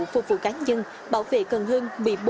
phục vụ cá nhân bảo vệ cần hơn